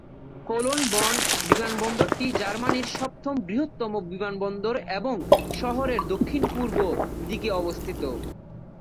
Colon Bonn বিমানবন্দরটি জার্মানির সপ্তম বৃহত্তম বিমানবন্দর এবং শহরের দক্ষিণ-পূর্ব দিকে অবস্থিত।